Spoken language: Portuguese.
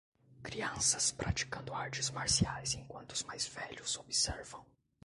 Crianças praticando artes marciais enquanto os mais velhos observam.